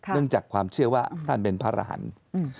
จากความเชื่อว่าท่านเป็นพระรหันต์